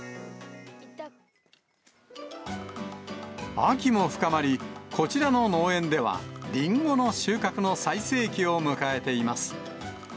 秋も深まり、こちらの農園では、りんごの収穫の最盛期を迎えています。